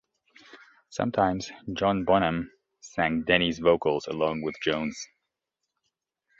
Sometimes John Bonham sang Denny's vocals along with Jones.